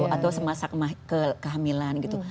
atau semasa kehamilan gitu